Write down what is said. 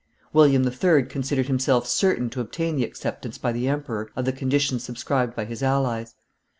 William III. considered himself certain to obtain the acceptance by the emperor of the conditions subscribed by his allies.